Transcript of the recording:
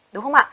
đúng không ạ